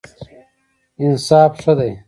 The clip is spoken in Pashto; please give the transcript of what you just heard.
انصاف ښه دی.